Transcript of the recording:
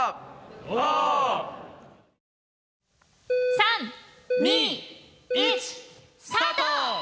３・２・１スタート！